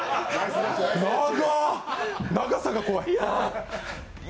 長っ、長さが怖い。